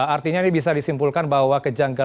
artinya ini bisa disimpulkan bahwa kejanggalan